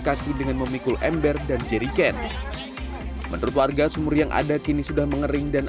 kaki dengan memikul ember dan jeriken menurut warga sumur yang ada kini sudah mengering dan